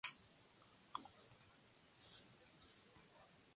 Heredó en cambio su pasión por la pompa y ceremonia españolas.